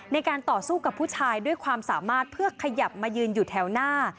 ในการต่อสู้กับผู้ชายด้วยความสามารถเพื่อขยับมายืนอยู่แถวหน้า